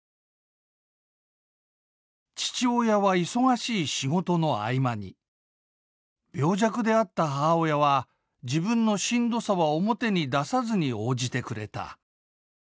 「父親は忙しい仕事の合間に病弱であった母親は自分のしんどさは表に出さずに応じてくれた。